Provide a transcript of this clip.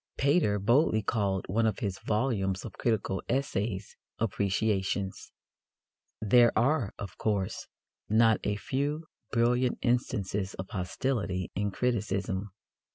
Pater boldly called one of his volumes of critical essays Appreciations. There are, of course, not a few brilliant instances of hostility in criticism.